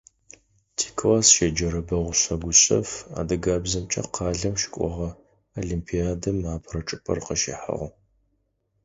Тикласс щеджэрэ Бэгъушъэ Гушъэф адыгабзэмкӀэ къалэм щыкӀогъэ олимпиадэм апэрэ чӀыпӀэр къыщихьыгъ.